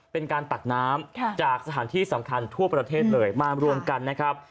ตักน้ำจากสถานที่สำคัญทั่วประเทศเลยมารวมกันนะครับ